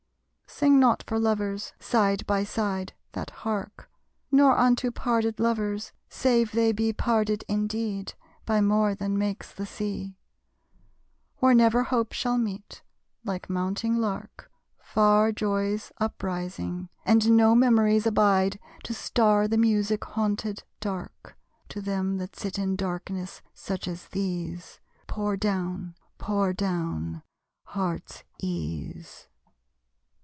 Sing not for lovers, side by side that hark; Nor unto parted lovers, save they be Parted indeed by more than makes the Sea. Where never hope shall meet like mounting lark Far Joy's uprising; and no memories Abide to star the music haunted dark: To them that sit in darkness, such as these, Pour down, pour down heart's ease.